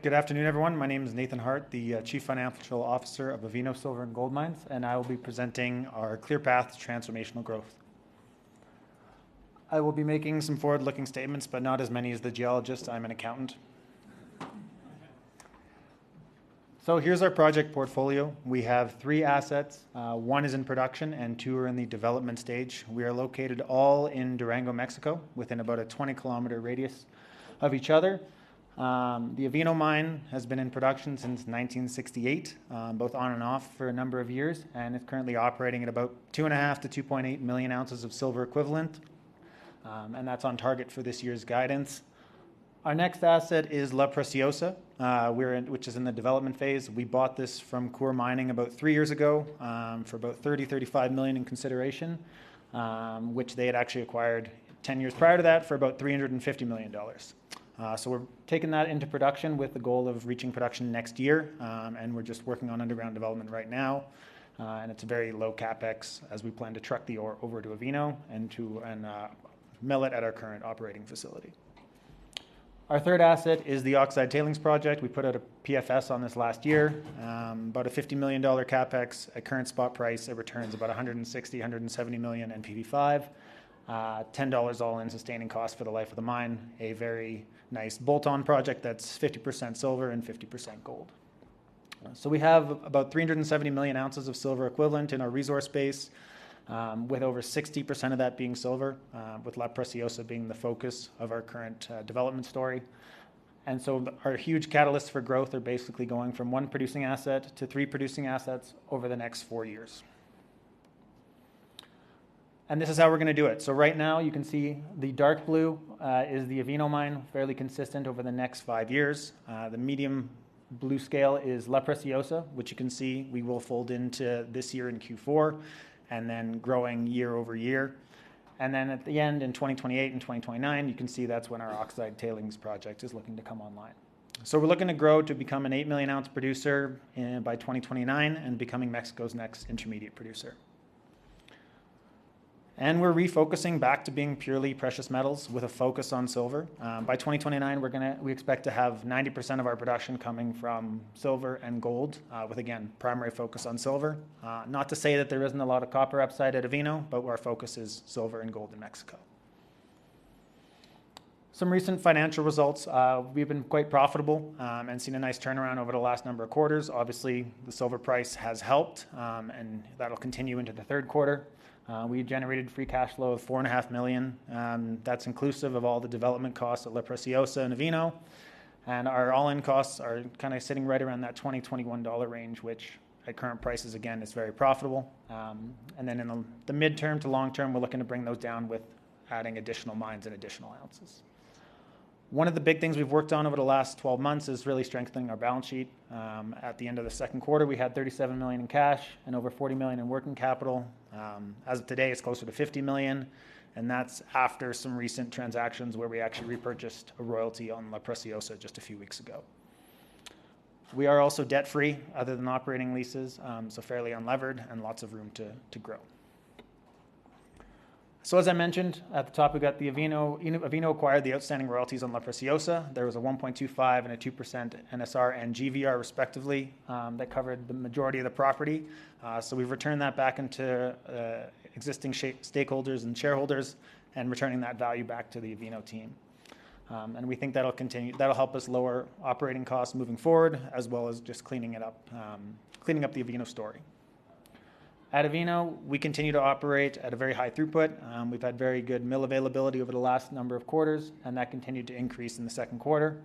Good afternoon, everyone. My name is Nathan Harte, the Chief Financial Officer of Avino Silver & Gold Mines, and I will be presenting our Clear Path to Transformational Growth. I will be making some forward-looking statements, but not as many as the geologist. I'm an accountant. So here's our project portfolio. We have three assets. One is in production, and two are in the development stage. We are located all in Durango, Mexico, within about a 20-kilometer radius of each other. The Avino Mine has been in production since 1968, both on and off for a number of years, and is currently operating at about 2.5 million-2.8 million ounces of silver equivalent, and that's on target for this year's guidance. Our next asset is La Preciosa, which is in the development phase. We bought this from Coeur Mining about three years ago for about $30 million-$35 million in consideration, which they had actually acquired 10 years prior to that for about $350 million. So we're taking that into production with the goal of reaching production next year, and we're just working on underground development right now, and it's a very low CapEx as we plan to truck the ore over to Avino and mill it at our current operating facility. Our third asset is the Oxide Tailings Project. We put out a PFS on this last year, about a $50 million CapEx. At current spot price, it returns about $160 million-$170 million in PV5, $10 All-In Sustaining Costs for the life of the mine, a very nice bolt-on project that's 50% silver and 50% gold. We have about 370 million ounces of silver equivalent in our resource base, with over 60% of that being silver, with La Preciosa being the focus of our current development story. Our huge catalysts for growth are basically going from one producing asset to three producing assets over the next four years. This is how we're going to do it. Right now, you can see the dark blue is the Avino Mine, fairly consistent over the next five years. The medium blue scale is La Preciosa, which you can see we will fold into this year in Q4, and then growing year-over-year. Then at the end, in 2028 and 2029, you can see that's when our Oxide Tailings Project is looking to come online. We're looking to grow to become an eight-million-ounce producer by 2029 and becoming Mexico's next intermediate producer. We're refocusing back to being purely precious metals with a focus on silver. By 2029, we expect to have 90% of our production coming from silver and gold, with, again, primary focus on silver. Not to say that there isn't a lot of copper upside at Avino, but our focus is silver and gold in Mexico. Some recent financial results. We've been quite profitable and seen a nice turnaround over the last number of quarters. Obviously, the silver price has helped, and that'll continue into the third quarter. We generated free cash flow of $4.5 million. That's inclusive of all the development costs at La Preciosa and Avino, and our all-in costs are kind of sitting right around that $20-$21 range, which at current prices, again, is very profitable. And then in the midterm to long term, we're looking to bring those down with adding additional mines and additional ounces. One of the big things we've worked on over the last 12 months is really strengthening our balance sheet. At the end of the second quarter, we had $37 million in cash and over $40 million in working capital. As of today, it's closer to $50 million, and that's after some recent transactions where we actually repurchased a royalty on La Preciosa just a few weeks ago. We are also debt-free other than operating leases, so fairly unlevered, and lots of room to grow. So, as I mentioned at the top, we've got the Avino. Avino acquired the outstanding royalties on La Preciosa. There was a 1.25% and a 2% NSR and GVR, respectively, that covered the majority of the property. So we've returned that back into existing stakeholders and shareholders and returning that value back to the Avino team. And we think that'll help us lower operating costs moving forward, as well as just cleaning up the Avino story. At Avino, we continue to operate at a very high throughput. We've had very good mill availability over the last number of quarters, and that continued to increase in the second quarter.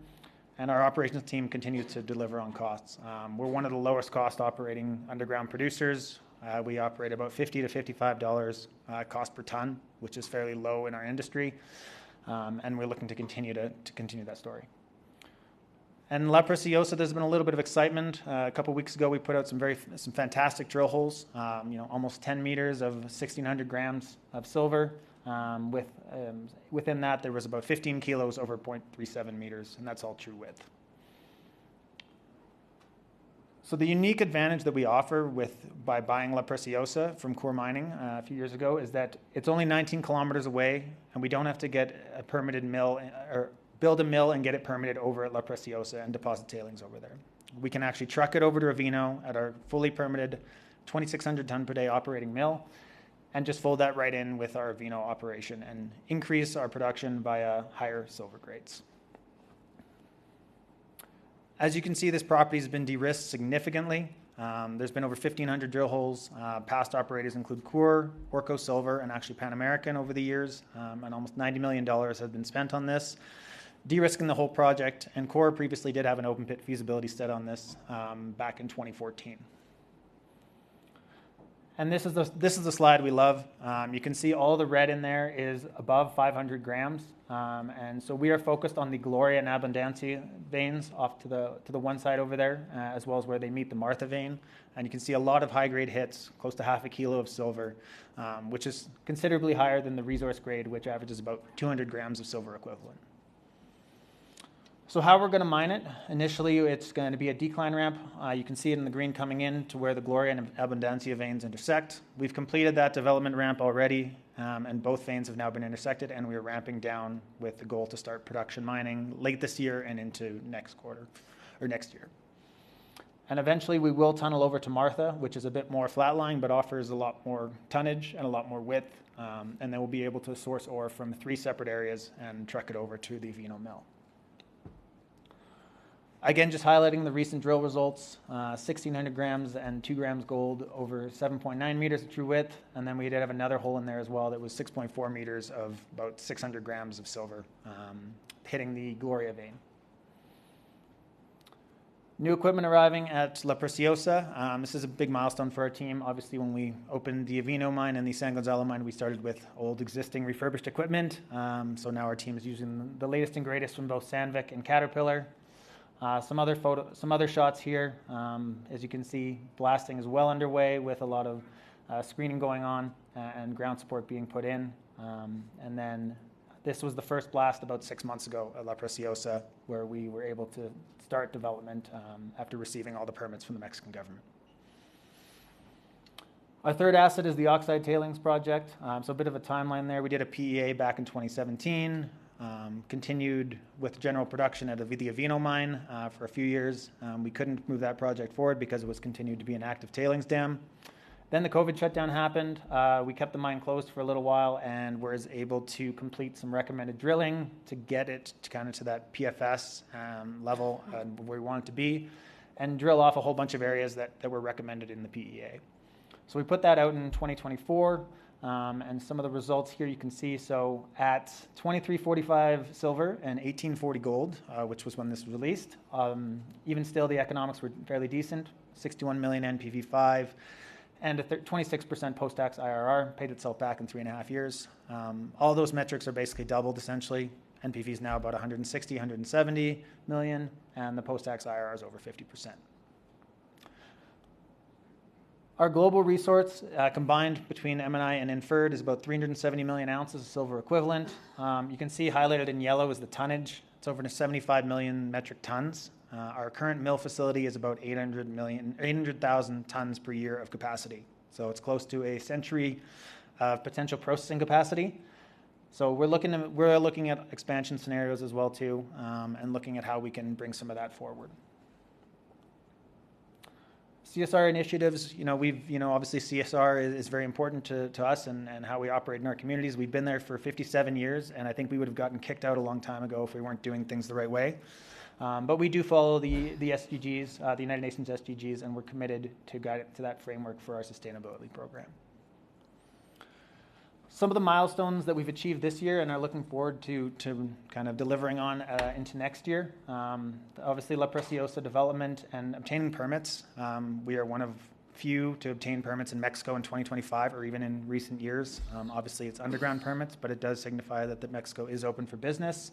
And our operations team continues to deliver on costs. We're one of the lowest-cost operating underground producers. We operate about $50-$55 cost per ton, which is fairly low in our industry, and we're looking to continue that story. And La Preciosa, there's been a little bit of excitement. A couple of weeks ago, we put out some fantastic drill holes, almost 10 m of 1,600 g of silver. Within that, there was about 15 kg over 0.37 m, and that's all true width. So the unique advantage that we offer by buying La Preciosa from Coeur Mining a few years ago is that it's only 19 km away, and we don't have to build a mill and get it permitted over at La Preciosa and deposit tailings over there. We can actually truck it over to Avino at our fully permitted 2,600-ton-per-day operating mill and just fold that right in with our Avino operation and increase our production by higher silver grades. As you can see, this property has been de-risked significantly. There's been over 1,500 drill holes. Past operators include Coeur, Orko Silver, and actually Pan American over the years, and almost $90 million has been spent on this, de-risking the whole project. Coeur previously did have an open-pit feasibility study on this back in 2014. This is a slide we love. You can see all the red in there is above 500 g. We are focused on the Gloria and Abundancia veins off to the one side over there, as well as where they meet the Martha vein. You can see a lot of high-grade hits, close to half a kilo of silver, which is considerably higher than the resource grade, which averages about 200 grams of silver equivalent. How we're going to mine it? Initially, it's going to be a decline ramp. You can see it in the green coming in to where the Gloria and Abundancia veins intersect. We've completed that development ramp already, and both veins have now been intersected, and we are ramping down with the goal to start production mining late this year and into next quarter or next year. And eventually, we will tunnel over to Martha, which is a bit more flat-lying but offers a lot more tonnage and a lot more width, and then we'll be able to source ore from three separate areas and truck it over to the Avino mill. Again, just highlighting the recent drill results: 1,600 g and 2 g gold over 7.9 m of [true width. And then we did have another hole in there as well that was 6.4 m of about 600 g of silver hitting the Gloria vein. New equipment arriving at La Preciosa. This is a big milestone for our team. Obviously, when we opened the Avino Mine and the San Gonzalo Mine, we started with old existing refurbished equipment, so now our team is using the latest and greatest from both Sandvik and Caterpillar. Some other shots here. As you can see, blasting is well underway with a lot of screening going on and ground support being put in, and then this was the first blast about six months ago at La Preciosa, where we were able to start development after receiving all the permits from the Mexican government. Our third asset is the Oxide Tailings Project, so a bit of a timeline there. We did a PEA back in 2017, continued, with general production at the Avino Mine for a few years. We couldn't move that project forward because it was continued to be an active tailings dam, then the COVID shutdown happened. We kept the mine closed for a little while and were able to complete some recommended drilling to get it kind of to that PFS level where we wanted to be and drill off a whole bunch of areas that were recommended in the PEA. So we put that out in 2024, and some of the results here you can see. So at 23.45 silver and 1,840 gold, which was when this was released, even still the economics were fairly decent: $61 million NPV5 and a 26% post-tax IRR paid itself back in three and a half years. All those metrics are basically doubled, essentially. NPV is now about $160 million-170 million, and the post-tax IRR is over 50%. Our global resource combined between M&I and Inferred is about 370 million ounces of silver equivalent. You can see highlighted in yellow is the tonnage. It's over 75 million metric tons. Our current mill facility is about 800,000 tons per year of capacity, so it's close to a century of potential processing capacity, so we're looking at expansion scenarios as well, too, and looking at how we can bring some of that forward. CSR initiatives. Obviously, CSR is very important to us and how we operate in our communities. We've been there for 57 years, and I think we would have gotten kicked out a long time ago if we weren't doing things the right way. But we do follow the United Nations SDGs, and we're committed to that framework for our sustainability program. Some of the milestones that we've achieved this year and are looking forward to kind of delivering on into next year. Obviously, La Preciosa development and obtaining permits. We are one of few to obtain permits in Mexico in 2025 or even in recent years. Obviously, it's underground permits, but it does signify that Mexico is open for business,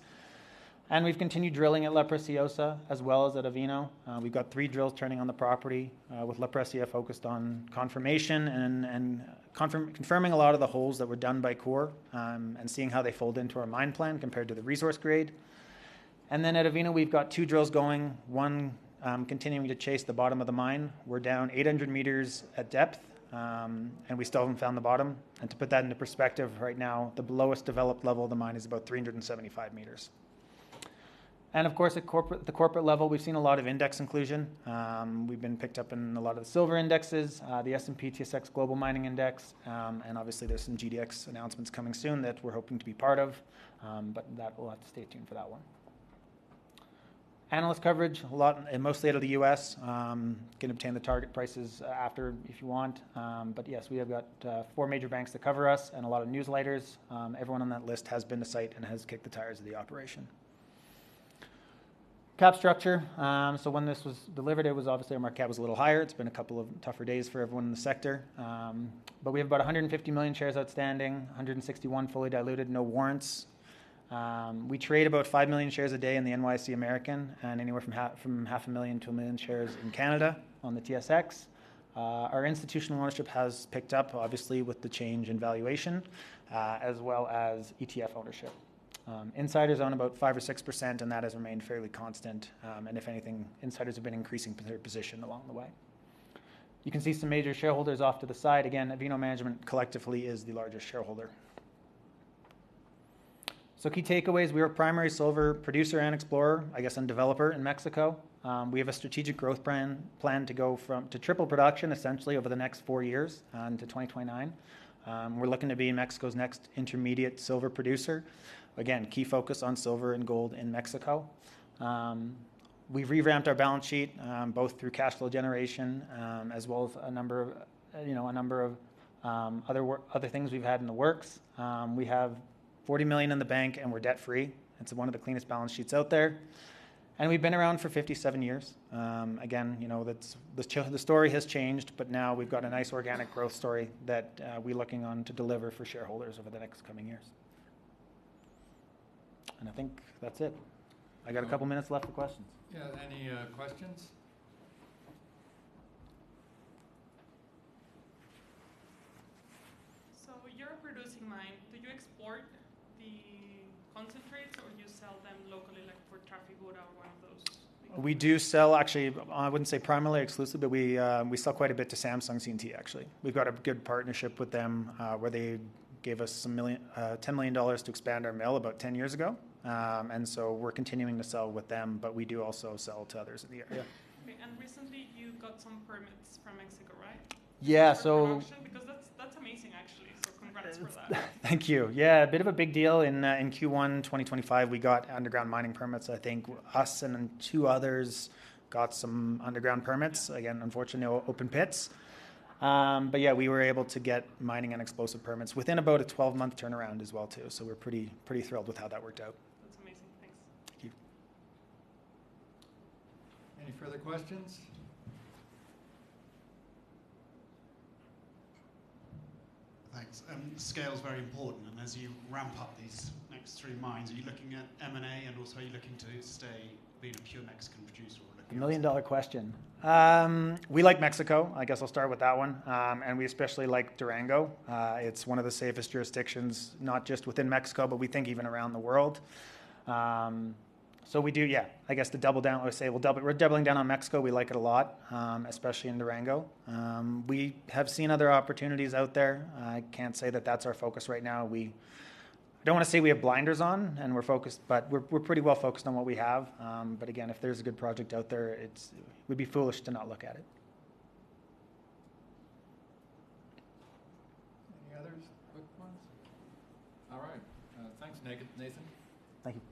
and we've continued drilling at La Preciosa as well as at Avino. We've got three drills turning on the property with La Preciosa focused on confirmation and confirming a lot of the holes that were done by Coeur and seeing how they fold into our mine plan compared to the resource grade, and then at Avino, we've got two drills going, one continuing to chase the bottom of the mine, we're down 800 meters at depth, and we still haven't found the bottom, and to put that into perspective, right now, the lowest developed level of the mine is about 375 meters, and of course, at the corporate level, we've seen a lot of index inclusion. We've been picked up in a lot of the silver indexes, the S&P/TSX Global Mining Index, and obviously, there's some GDX announcements coming soon that we're hoping to be part of, but we'll have to stay tuned for that one. Analyst coverage, mostly out of the U.S. You can obtain the target prices after if you want. But yes, we have got four major banks that cover us and a lot of newsletters. Everyone on that list has been to site and has kicked the tires of the operation. Cap structure. So when this was delivered, obviously, our market cap was a little higher. It's been a couple of tougher days for everyone in the sector. But we have about 150 million shares outstanding, 161 fully diluted, no warrants. We trade about 5 million shares a day in the NYSE American and anywhere from 500,000-1,000,000 shares in Canada on the TSX. Our institutional ownership has picked up, obviously, with the change in valuation as well as ETF ownership. Insiders own about 5% or 6%, and that has remained fairly constant. And if anything, insiders have been increasing their position along the way. You can see some major shareholders off to the side. Again, Avino Management collectively is the largest shareholder. So key takeaways. We are a primary silver producer and explorer, I guess, and developer in Mexico. We have a strategic growth plan to go to triple production, essentially, over the next four years into 2029. We're looking to be Mexico's next intermediate silver producer. Again, key focus on silver and gold in Mexico. We've revamped our balance sheet both through cash flow generation as well as a number of other things we've had in the works. We have $40 million in the bank, and we're debt-free. It's one of the cleanest balance sheets out there, and we've been around for 57 years. Again, the story has changed, but now we've got a nice organic growth story that we're looking on to deliver for shareholders over the next coming years, and I think that's it. I got a couple of minutes left for questions. Yeah, any questions? So, you're producing mine. Do you export the concentrates, or do you sell them locally, like for Trafigura or one of those? We do sell, actually. I wouldn't say primarily exclusively, but we sell quite a bit to Samsung C&T, actually. We've got a good partnership with them where they gave us $10 million to expand our mill about 10 years ago, and so we're continuing to sell with them, but we do also sell to others in the area. Okay. And recently, you got some permits from Mexico, right? Yeah. Congratulations, because that's amazing, actually, so congrats for that. Thank you. Yeah, a bit of a big deal. In Q1 2025, we got underground mining permits. I think us and two others got some underground permits. Again, unfortunately, no open pits. But yeah, we were able to get mining and explosive permits within about a 12-month turnaround as well, too. So we're pretty thrilled with how that worked out. That's amazing. Thanks. Thank you. Any further questions? Thanks. Scale is very important. And as you ramp up these next three mines, are you looking at M&A and also are you looking to stay being a pure Mexican producer? Million-dollar question. We like Mexico. I guess I'll start with that one, and we especially like Durango. It's one of the safest jurisdictions, not just within Mexico, but we think even around the world, so we do, yeah. I guess to double down, I would say we're doubling down on Mexico. We like it a lot, especially in Durango. We have seen other opportunities out there. I can't say that that's our focus right now. I don't want to say we have blinders on and we're focused, but we're pretty well focused on what we have, but again, if there's a good project out there, we'd be foolish to not look at it. Any others? Quick ones? \ All right. Thanks, Nathan. Thank you.